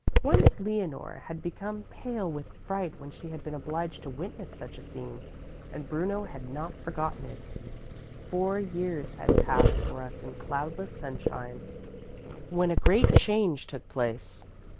Once Leonore had become pale with fright when she had been obliged to witness such a scene, and Bruno had not forgotten it. Four years had passed for us in cloudless sunshine when a great change took place.